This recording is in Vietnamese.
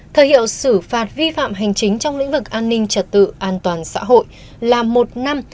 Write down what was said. thời hiệu xử phạt vi phạm hành chính trong lĩnh vực an ninh trật tự an toàn xã hội là một năm